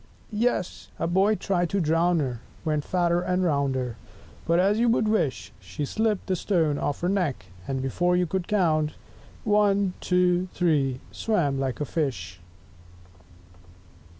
4 Yes, a boy tried to drown her When fatter and rounder, But, as you would wish, She slipped the stone off her neck, and before you could count, ONE, TWO, THREE, swam like a fish.